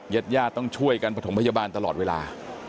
ญาติญาติต้องช่วยกันประถมพยาบาลตลอดเวลา